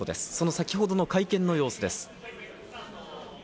先ほどの会見の様子です。